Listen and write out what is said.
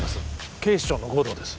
警視庁の護道です